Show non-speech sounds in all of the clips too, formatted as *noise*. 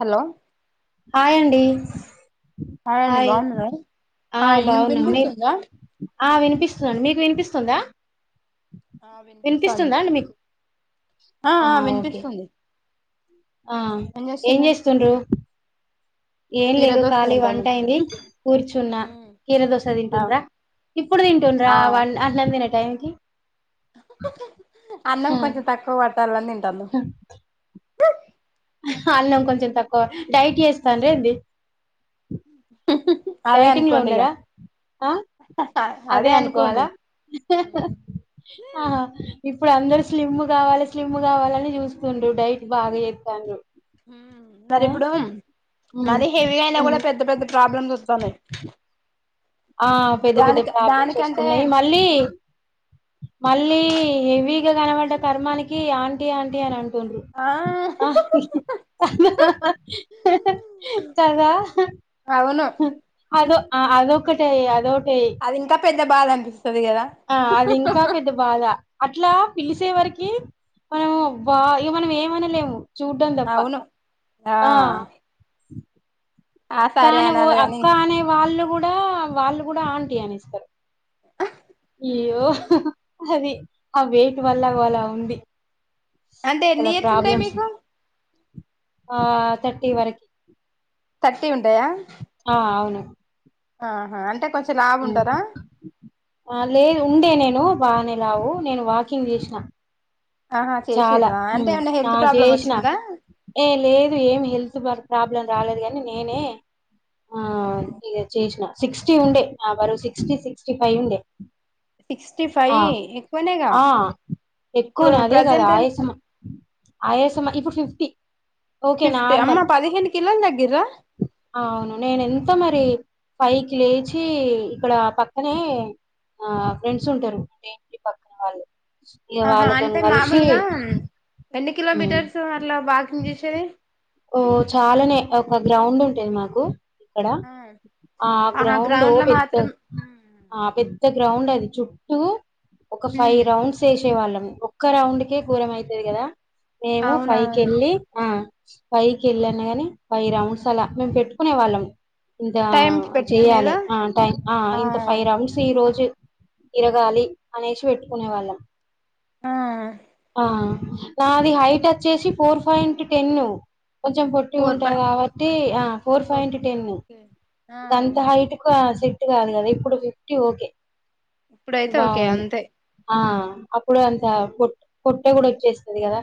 Hello హాయండి అ బాగునర ఆ బాగున్నాం మీ వినిపిస్తుందా ఆ వినిపిస్తున్నాండి మీకు వినిపిస్తుందా ఆ వినిపిస్తుంది వినిపిస్తుందా అండి మీకు ఆ వినిపిస్తుంది ఆ ఏం చేస్తుండ్రు ఏం లేదు కీరదోస ఖాళీ వంట తింటాను అయింది కూర్చున్న కీర దోశ ఆ తింటుండ్రా ఇప్పుడు తింటుండ్రా ఆ వ అ తినట్ టైమ్ కి అన్నం కొంచెం తక్కువ వాట్టాలని తింటాను హా. అన్నం కొంచెం తక్కువ డైట్ చేస్తాను ర ఇది అదే డైటింగ్ లో అనుకోండి ఇగ ఉండరా అదే అనుకోవాలా ఇప్పుడు అందరుూ స్లిమ్ కావాలి స్లిమ్ కావాలని చూస్తు్రు డైట్ బాగా చేస్తాను మరి ఇప్పుడు ఉమ్ మది హెవీగా అయినా ఉమ్ కూడా పెద్ద పెద్ద ప్రాబ్లమ్స్ వ బనం ఆ పెద్ద పెద్ద ప్రాబ్లమ్స్ వస్తున్నాయి మళ్ళీ మళ్ళీ హెవీగా కనబడ్డ కర్మానికి ఆంటీ ఆంటీ అని అంట తుండ్రు ఆ కాదా అవును అదే ఆ అధికట్టి అద ఏ అది ఇంకా పెద్ద బాధ అనిపిస్ ఆ అది ఇంకా పెద్ద బాధ అట్లా పిలిసే వరకి మనము బా ఇ మనం ఏమనా లేము చూటంతప్ప అవును ఆ ఆ అక్క సరే అనే అనాలి గాని అక్క అనే వాళ్ళు కూడా వాళ్ళు కూడా అంట అనిస్తారు అయ్యో అది ఆ వెయిట్ వల్ల అలా ఉంది అంటే ఎన్ని చాలా ఇయర్స్ ఉంటాయి ప్రాబ్లమ్స్ మీకు ఆ తర్టీ వరకి తట్టి ఉంటయా ఆ అవును ఆహా అంటే కొం ఆ లేదు ఉండే నేను బానే వు నేను వాకింగ్ చేసిన ఆహా చాలా చేసిర్రా అంటే ఏమన్నా హెల్త్ ఆ ప్రాబ్లం చేసిన వచ్చిందా ఏ లేదు ఏమి హెల్తు బర్ ప్రాబ్లం రాలేదు కానీ నేనే, ఆ ఇ చేసిన సిక్స్టీ ఉండే నా బరు సిక్స్టీ సిక్స్టీ ఫైవ్ ఉండే సిక్స్టీ ఫైవ్ ఆ ఎక్కువనేగా ఆ ఇప్పుడు ఎక్కువనే అదే కాదా ప్రజెంట్ ఎంత ఆయాసమ ఆయాసమ ఇప్పుడు ఫిఫ్టీ ఓకే ఫిఫ్టీ అమ్మ నార్మల్ పదిహేను కిలోలు తగ్గిర్రా అవును నేను ఎంత మరి ఫైవ్ కి లేచి ఇక్కడ పక్కనే ఆ ఫ్రెండ్స్ ఉంటారు అంటే ఏంటి పక్కన వాళ్ళు ఆహా ఇవాల అంటే తంగలి *unintelligible* ఎన్ని కిలోమీటర్స్ అట్లా బాకింగ్ చేసేది ఓ చాలానే ఒక గ్రౌండ్ ఉంటుది మాకు ఇక్కడ ఆ ఆహా గ్రౌండ్ లో పెద్ద మాత్రం ఆ పెద్ ఇ గ్రౌండ్ అది చుట్టూ ఒక ఫైవ్ ఉమ్ రౌండ్స్ వేసే వాళ్ళం ఒక్క రౌండ్కే కూరం అయితది కదా మేము ఫైవ్కి అవునవును వెళ్ళి ఆ పైకి వెళ్ళాను గాని పైవ రౌండ్స్ అలా మేము పెట్టుకునే వాళ్ళం ఇంత టైమ్స్ చెయ్యాలి పెట్టుకునేదా ఆ టైం ఆ ఇంత ఫైవ్ అవర్స్ ఈ రోజు ఇరగాలి అనేసి పెట్టుకునే వాళ్ళం ఆ ఆ నాది హైట్ వచ్చేసి ఫోర్ పాయింట్ టెన్ కొంచెం పొట్టి ఫోర్ ప ఉంటాది కాబట్టి ఆ four five it okay ten అ ఓకే ఆ అంత హైట్ కు సి కాదు కదా ఇప్పుడు ఫిఫ్టీ ఓకే ఇప్పుడైతే ఓకే బాగుంది అంతే ఆ అప్పుడు అంత పొట్ట పొట్ట కూడా వచ్చేస్త తెరగాద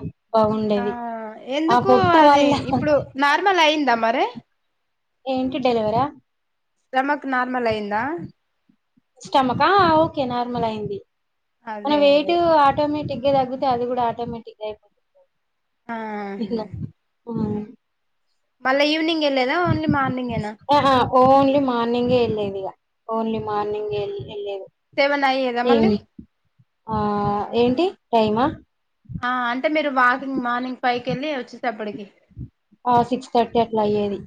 ఆ ఎందుకు అది వల్ల ఇప్పుడు నార్మల్ అయింది ద మర ఇంటి డెలివరా స్టమక్ నార్మల్ అయిందా స్టమకా కె నార్మల్ అయింది మన అదే వెయిట్ అదే ఆటోమేటిక్ తగితే అది కూడా ఆటోమేటిక్గా అయిపోతుంది ఆా ఇంగ *unintelligible* మళ్ళా ఈవినింగ్ లేదా ఓన్లీ మార్నింగ్ ఏనా ఆహా ఓన్లీ మార్నింగ్ే వెళ్ళలేది ఇగా ఓన్లీ మార్నింగ్ వెళ్ళలేది సేవన్ అయ్యేదా మళ్ళీ ఆ ఏంటి టైమా ఆ అంటే మీరు వాకింగ్ మార్నింగ్ పైకి వెళ్ళి వచ్చింది అప్పటికి ఆ సిక్స్ థర్టీ అట్లా అయ్యేది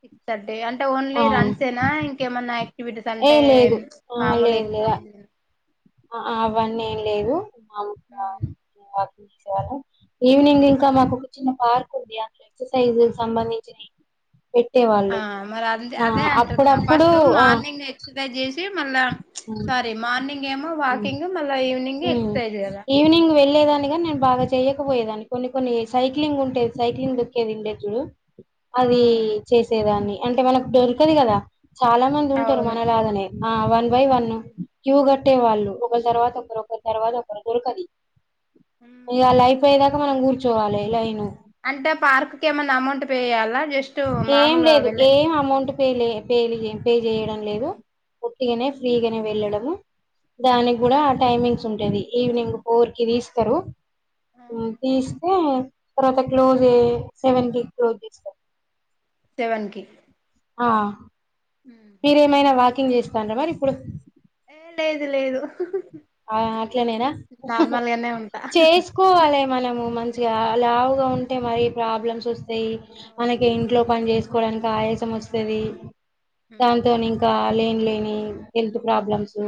సిక్స్ థర్ట్ అంటే ఓన్లీ ఆ రన్స్ ఏనా ఇంకేమన్నా యాక్టివిటీస్ ఏ అంటే లేదు మామూలు లేదు లేదు ఎక్సర్ైజ ఆ అవన్నీ ఏం లేవు *unintelligible* ఈవినింగ్ ఇంకా మాకు ఒక చిన్న పార్క్ ఉంది అందులో ఎక్సర్సైజ్ సంబంధించిన ఆ మరి అ అదే అంటుంద అప్పుడప్పుడు ఫస్ట్ ఆ మార్నింగ్ ఎక్సర్సైజ్ చేసి మళ్ళా హ్మ్. సారీ మార్నింగ్ ఏమో వాకింగ్ మళ్ళ ఈవనింగ్ వెళ్ళ లేదానిగా నేను బాగా చెయకపోయేదాన్ని కొన్ని కొన్ని సైక్లింగ్ ఉంటేది సైక్లింగ్ దొక్కేది ఉండచ్చు ఆ అది చేసేదాన్ని అంటే మనకు దొరకదు కదా చాలా మంది ఉంటారు అవును మన లాగానే ఆ one by one queue cut ఒకట్టే వాళ్ళు ఒక తర్వాత ఒక ఒకరితర్వాత ఒకరు ఒకరికి అది ఇ ఉమ్. లైఫ్ అయ్యేదాక మనం కూర్ చోవాలి ఇలాగేనా అంటే ఆ పార్క్ క ఏమైన్నా అమౌంట్ పే చేయ్యాలా ఏం లేదు ఏం అమౌంట్ ప పే పే చేయడం లేదు ఒట్టిగానే ఫ్రీగానే వెళ్ళడ దానికి కూడా ఆ టైమింగ్ *unintelligible* ఈవినింగ్ ఫోర్ కి తీస్తారు తీస్తే తర్వాత క్లోజ్ సెవెన్ కి క్లోజ్ చేస్తారు సెవెన్ కి ఆ ఉహు. మీరేమైనా వాకింగ్ చేస్తార మరి ఇప్పుడు ఏ లేదు లేదు ఆ అట్లనేనా నార్మల్ గానే ఉంటా చేసుకోవాలి మనం మంచిగా లావుగా ఉంటే మరి ప్రాబ్లమ్స్ *unintelligible* మనకి అవునవును ఇంట్లో పని చేస్ కోడానికి ఆయాసం వస్తుంది దాతో ఉమ్. ఇంకా లేని లే హెల్త్ ప్రాబ్లమ్స్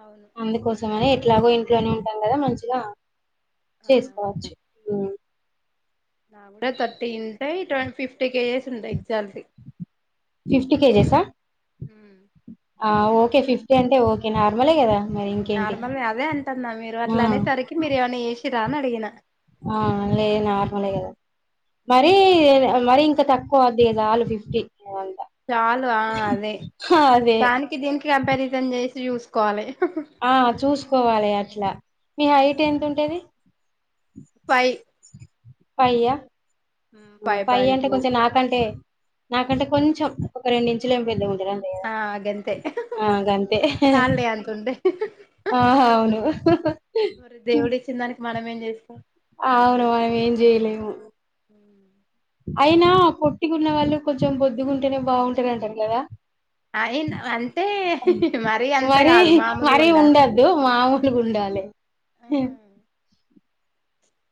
అవును అందుకోస *unintelligible* ఇట్లాగో ఇంట్లోనే ఉంటాం కదా మంచిగా ఆ. చేసుకోవచ్చు థర్టీ ఉంటాయి *unintelligible* ఫిఫ్టీ కేజెస్ ఉంది ఎగ్జాల్ ఫిఫ్టీ కేజెసా ఆ ఓకే ఫిఫ్టీ అంటే ఓకే నార్మలే కదా మరి ఇంకేంటి నార్మల్ అదే అంటన్నా మీరు ఆ అట్లా అనేసరికి మీరు ఏమైనా చేసి చిరా నడిగిన ఆ లే నార్మల్ కదా మరి మరి ఇంకా తక్కువ వద్ది కదా లు ఫిఫ్టీ అంతా చాలు ఆ అదే అదే దానికి దీనికి కంప ఇదం చేసి చూసుకోవాలి ఆ చూసుకోవాలి అట్లా మీ హైట్ ఎంత ఉంటది ఫై పయ్యా ఫైవ్ పాయింట్ అంటే టూ కొంచెం ఫైవ్ నాకంటే నాకంటే కొంచెం ఒక రెండు ఇంచులు ఏం పెద్దా ఉ ఆ గంతే అ గంతే చాల్లే అంతుంటే ఆ అవును మనమేం చేస్తా ఆ అవును మనమేం జెయ్యలేము అయినా పొట్టిగున్నవాళ్ళు కొంచెం బొద్దుగుంటేనే బాగుంటారు అంటరు కదా అయిన అంటే మరీ అంత మరి కాదు మామూలు మరీ ఉండాల ఉండద్దు మామూలుగా ఉండాలి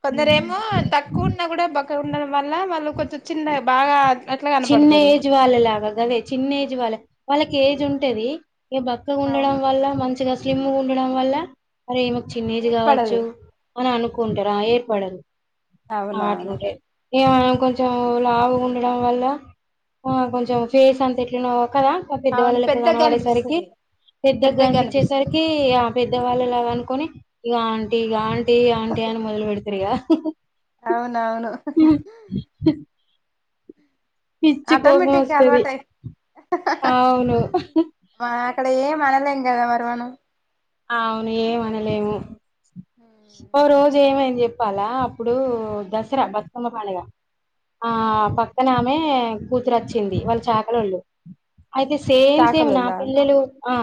కొందరేమ తక్కువ ఉన్న కూడా బక్ ఉం వల్ల వాళ్ళు కొంచెం చిన్న బాగ అట్ల చిన్న కనపడుతరు ఏజ్ వాళ్ళలాగా గదే చిన్న ఏజ్ వాళ్ళ వాళ్ళకి ఏజ్ ఉంటది ఇగ బక్కగా అవును ఉండడం వల్ల మంచిగా స్లిమ్ముగుండడం వల్ల అరే ఈమకు ఉమ్ చిన్న ఏజ్ ఏర్పడదు కావచ్చు అని అనుక్ ఉంటరా ఏర్పడరు ఆ అవునవును అట్లుంటది ఏమనం కొంచెం రావు ఉండడం వల్ల ఆ కొంచెం ఫేస్ అంతా ఎట్లనో కదా పెద్దవాళ్ళ అవును లెక్క పెద్దగా కనపడేసరికి అనిపిస్తది పెద్దగా కనిపిచ్చేసరికి పెద్దవాళ్ళలాగ అనుకొని ఇగ ఆంటీ ఇగ ఆంటీ ఆంటీ అని మొదలు పెడతరు ఇగ అవున్ నావును పిచ్చి కోపం వస్తది అలవాటయి ఆవును అలా ఎందా మవనం అవును ఏమనలేము ఒ రో పూజ ఏమని చెప్పాలా అప్పుడు దసరా బతుకమ్మ పండుగ ఆ పక్కనమె కూతురు వచ్చింది వాళ్ళ చాకలళ్ళు అయితే సేమ్ సేమ్ నా చాకలోల్ల పిల్లలు ఆ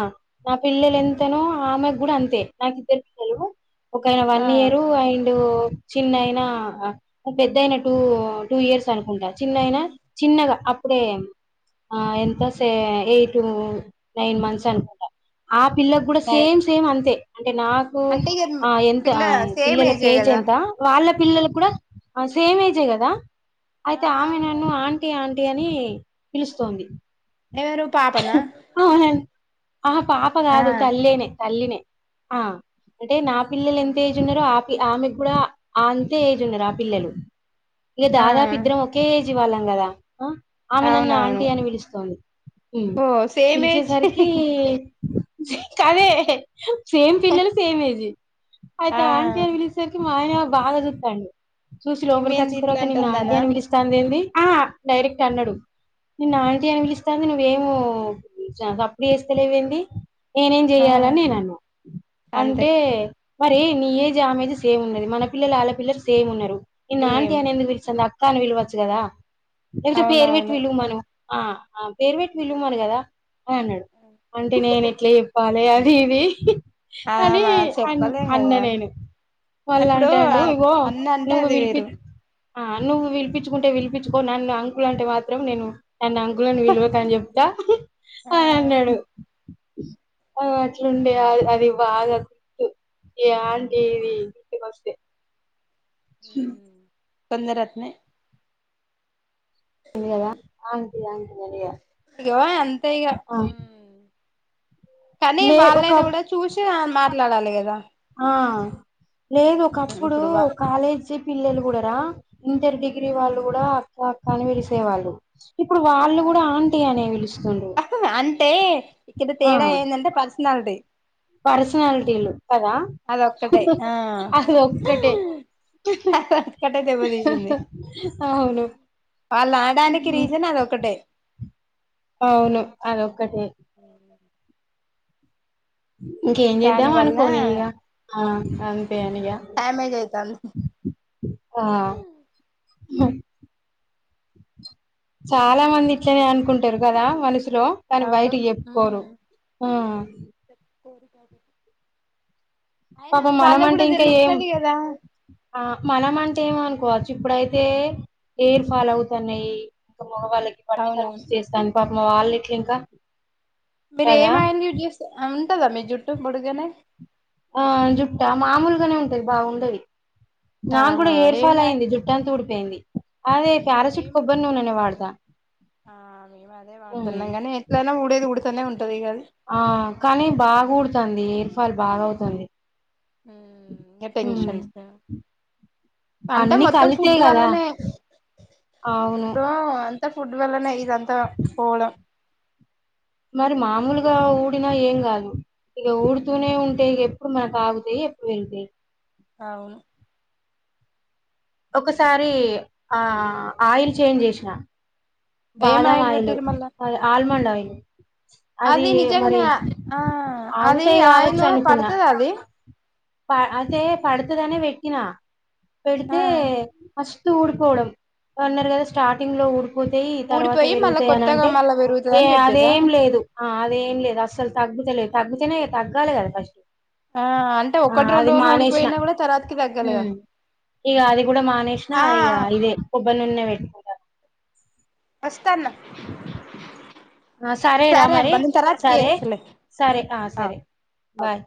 నా పిల్లలు ఎంతన మెకు కూడా అంతే నాకు ఇద్దరు తెలు ఒకయన ఆ వన్ ఇయరు అండ్ చిన్నైనా, పెద్దయినా టూ టూ ఇయర్స్ అనుకుంటా. చిన్నైనా చిన్నగా అప్పుడే ఆ ఎంత సే ఎయిట్, నైన్ మంత్స్ అనుకుంటా ఆ పిల్ల కూడా సే నై సేమ్ సేమ్ అంతే అంటే నాకు అంటే ఇగ ఆ ఎంత పిల్ల సేమ్ పిల్లలకి ఏజే ఏజ్ కదా ఎంత వాళ్ళ పిల్లలు కూడా సేమ్ ఏజే కదా ఆ అయితే ఆమె అవును నన్ను ఆంటీ అ అని పిలుస్తోంది ఎవరు పాపనా అవునండి ఆ పాప ఆ కాదు, తల్లెనే తల్లినే ఆ అంటే నా పిల్లలు ఎంత ఏజ్ ఉన్నారో ఆ పిల్ల ఆమెకు కూడా అ అంతే ఏజ్ ఉన్నారు ఆ పిల్లలు ఇక ఆ దాదాపు ఇద్దరం ఒకే ఏజ్ వాళ్ళం కదా ఆమె నన్ను అవునవును ఆంటీ అని పిలుస్తోంది ఓ సేమ్ ఏజే పిలిచేసరికి *inaudible* సేమ్ పిల్లలు సేమ్ ఏజే అయిత ఆ ఆంటీ అని పిలిచేసరికి ఆయనేమో బాగా చూత్తాండు చూసి లోపలికి ఈమెంది వచ్చిన తర్వాత నిన్ను ఆంటీ ఇట్లాంటుందనా అని పిలుస్తుంది ఏంది ఆ డైరెక్ట్ అన్నాడు నిన్ను ఆంటీ అనిపిలిస్తంది. నువ్ ఏమో సప్పుడు చేస్తలేవ్ ఏంది నేనేం ఆ చెయ్యాలని నేనన్నా అంతే అంటే మరే నీ ఏజ్ ఆమెజ్ సేమ్ ఉన్నది. మన పిల్లలు, ఆళ్ళ పిల్లలు సేమ్ ఉన్నారు. నిన్ను ఆంటీ సేమ్ అని ఎందుకు పిలిసింద అక్క అని పిలవచ్చు కదా లేకుంటే పేరు పెట్టి అవునవును పిలువుమను ఆ పేరు పెట్టీ పిలువుమను కదా అనన్నాడు అంటే నేను ఇట్లా చెప్పా ఇట్ల కాదు ఇది ఆ అని మా అన్ చెప్పలేం అన్న కదా నేను. మళ్ళా ఇప్పుడు అంటాండు ఇగో అన్న అంటే నువ్వు అది పిలిపి వేరు ఆ నువ్వు విలిపించుకుంటే విలిపించుకో నున్ను అంకులు అంటే మాత్రం నేను నన్ను అంకుల్ అని పిలువక్ అని చెప్తా ఆ అని అన్నాడు ఆ అట్లుండే అ అది బాగా గుర్తు ఏ ఆంటి ఇది గుర్తుకొస్తే మ్ కొందరాతనె తెదా ఆ ఆడి *inaudible* ఇగ అంతే ఇక కానీ లే ఒక వాళ్ళనా కూడా చూసి మాట్లాడాలి కదా ఆ లేదు ఒకప్పుడు ఇప్పుడు వా కాలేజీ చి పిల్లలు కూడా రా ఇంటర్ డిగ్రీ వాళ్ళు కూడా క్కని పిలిసేవాళ్ళు ఇప్పుడు ఆ వాళ్ళు కూడా ఆంటీ అనే పిలుస్తుండ్రు అంటే ఇక్కడ ఆ తేడా ఏందంటే పర్సనాలిటీ పర్సనాలిటీలు కదా అదొక్కటే ఆ అది ఒక్కటే అదొక్కటే దెబ్బ తీసింది అవును వాళ్ళు ఆడానికి రీజన్ అదొకటే అవును అదొక్కటే ఇంకేం చేద్దాం దాని వల్ల అనుకోని ఇక ఆ అన ని డ్యామేజ్ అయితాంది ఆ హ చాలా మంది ఇట్లనే అనుకుంటారు కదా మనసు లో కానీ అవును బయటి చెప్పుకోరు ఆ కోరి కోదు అయినా పాపం వాళ్ళకి మనమంటే కూడా తెలుస్తది కదా మనం అంటే ఏమనుకోవచ్చు ఇప్పుడైతే హెయిర్ ఫాల్ అవుతున్నాయి. మగవాళ్ళకి బట్టతల అవునవును వచ్చేస్తాంది. పాపం వాల్లెట్లు ఇంకా మీరు కదా ఏం ఆయిల్ యూస్ చేస్తారు? ఆ ఉంటదా మీ జుట్టు పొడుగనే ఆ జుట్టా మామూలుగానే ఉంటది బావుండది. నాక్కూడా ఆహా హెయిర్ ఏం ఫాల్ ఆయి అయింది జుట్టంతా ఊడి తేంది అదే అయ్యో ప్యారా షూట్ ఏం కొబ్బరి నూనెనే వాడతా ఆ మేము అదే ఉమ్. వాడుతున్నాం గనీ ఎట్లయినా ఊడేది ఊడు తనే ఉంటది ఇగాది ఆ కానీ బాగా ఉడుతంది హేయిర్ ఫాల్ బాగా అవుతుంది ఉ ఇగ ఉమ్. టెన్షన్స్ అంటే అన్ని మొత్తం కలితే ఫుడ్ కదా వల్లనే అవును ఇప్పుడు అంత ఫుడ్డు వల్లనే ఇదం తా పోవడం మరి మామూలుగా ఊడినా ఏం కాదు ఇగ ఊడుతూనే ఉంటే ఇగ ఎప్పుడు మనకు ఆగు ఎ ఎప్పుడు వెంది అవును ఒకసారి ఆ ఆయిల్ చేంజ్ చేసినా ఏం బాదం ఆయిల్ పెట్టిరు మళ్ళ అది ఆల్మండు ఆయిల్ హు అది నిజంగానే ఆ అది ఆగుతాయి ఆయిలు పడుతది అది ప అయితే పడుతదనే వెట్టినా ఆ పెడతే అస్ తు ఊడిపోవడం అన్నారు కదా స్టార్టింగ్ లో ఊడిపో తాయి తర్వాత ఊడిపోయి మళ్ళా పెరుగుతాయి కొత్తగా ఆనంటే మళ్ళా పెరుగుతది ఏ అని చెప్పిర్రా అదేం లేదు ఆ అదేం లేదు అసలు తగ్ సేలేదు తగ్గుతనే తగ్గాలే కదా ఫస్ట్ ఆ అంటే ఆ ఒకటి అది రెండు రోజులు మానేషిన ఊడిపోయినా కూడా తర్వాతకి ఉ తగ్గలేగా ఇగ అది కూడా మానేషిన ఆ ఇగ ఇదే కొబ్బరినూననె వెట్కుటన వస్తన్న సరే రా మరి సరే చేస్తలే సరే ఆ సరే బాయ్